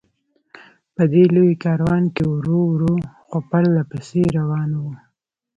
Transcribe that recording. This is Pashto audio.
په دې لوی کاروان کې ورو ورو، خو پرله پسې روان و.